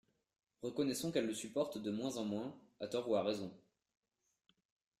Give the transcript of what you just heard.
Reconnaissons qu’elles le supportent de moins en moins, à tort ou à raison.